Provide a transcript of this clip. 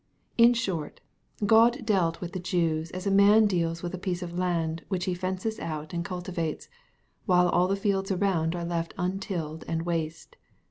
In short, God dealt with the Jews as a man deals with a piece of land which he fences out and cultivates, while all the fields around are left un tilled and waste.